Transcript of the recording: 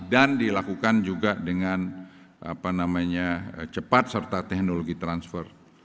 dan dilakukan juga dengan cepat serta teknologi transfer